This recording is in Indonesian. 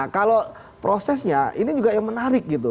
kalau prosesnya ini juga yang menarik gitu